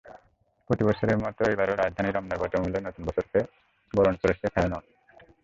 প্রতিবছরের মতো এবারও রাজধানীর রমনার বটমূলে নতুন বছরকে বরণ করেছে ছায়ানট।